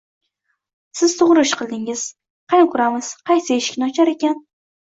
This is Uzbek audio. Siz to`g`ri ish qildingiz, qani ko`ramiz, qaysi eshikni ochar ekan